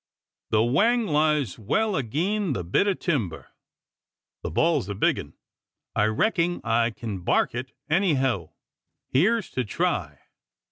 The whang lies well ageen the bit o' timber. The ball's a big un. I recking I kin bark it anyheow. Heer's to try!"